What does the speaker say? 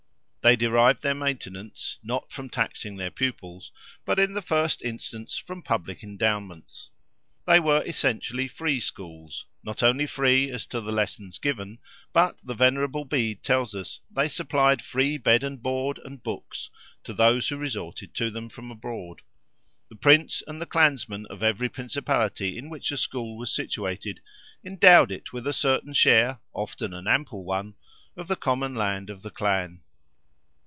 They derived their maintenance—not from taxing their pupils—but in the first instance from public endowments. They were essentially free schools; not only free as to the lessons given, but the venerable Bede tells us they supplied free bed and board and books to those who resorted to them from abroad. The Prince and the Clansmen of every principality in which a school was situated, endowed it with a certain share—often an ample one—of the common land of the clan.